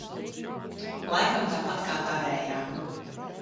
Laikam tāpat kā tavējā?